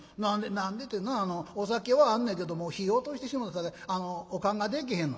「何でってなお酒はあんのやけどもう火落としてしもうたさかいお燗がでけへんの」。